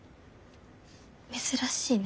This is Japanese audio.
珍しいね。